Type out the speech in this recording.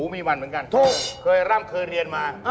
ผีท่านลองออกแล้ว